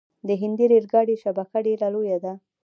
د هند ریل ګاډي شبکه ډیره لویه ده.